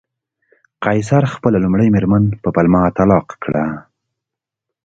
قیصر خپله لومړۍ مېرمن په پلمه طلاق کړه